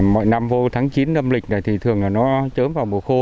mọi năm vô tháng chín năm lịch này thì thường là nó chớm vào mùa khô